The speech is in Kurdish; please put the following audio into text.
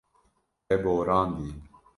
Te borandiye.